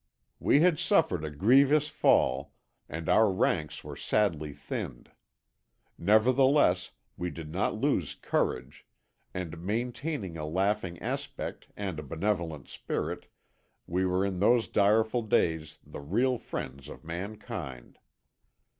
"We had suffered a grievous fall, and our ranks were sadly thinned; nevertheless we did not lose courage and, maintaining a laughing aspect and a benevolent spirit, we were in those direful days the real friends of mankind.